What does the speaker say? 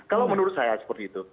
kalau menurut saya seperti itu